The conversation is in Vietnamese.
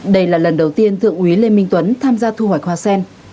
đây là lần đầu tiên thượng úy lê minh tuấn tham gia thu hoạch hoa sen